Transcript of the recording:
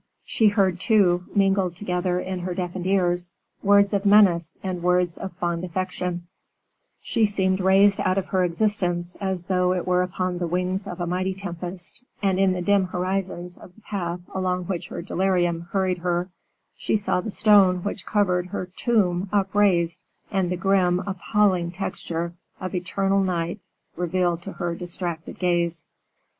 She heard, too, mingled together in her deafened ears, words of menace and words of fond affection; she seemed raised out of her existence as though it were upon the wings of a mighty tempest, and in the dim horizon of the path along which her delirium hurried her, she saw the stone which covered her tomb upraised, and the grim, appalling texture of eternal night revealed to her distracted gaze.